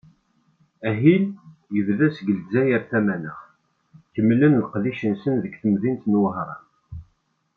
Ahil, yebda-d seg Lezzayer tamaneɣt, kemmlen leqdic-nsen deg temdint n Wehran.